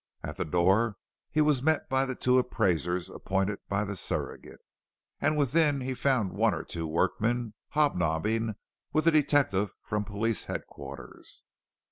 At the door he was met by the two Appraisers appointed by the Surrogate, and within he found one or two workmen hob nobbing with a detective from police headquarters.